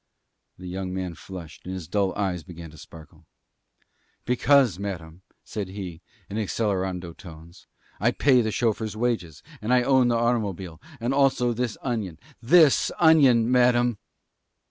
The young man flushed, and his dull eyes began to sparkle. "Because, madam," said he, in accelerando tones, "I pay the chauffeur's wages and I own the automobile and also this onion this onion, madam."